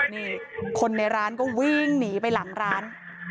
นี่คนในร้านก็วิ่งหนีไปหลังร้าน